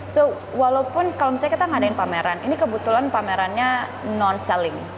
so walaupun kalau misalnya kita ngadain pameran ini kebetulan pamerannya non selling